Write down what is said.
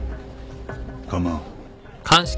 構わん。